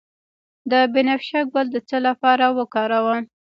د بنفشه ګل د څه لپاره وکاروم؟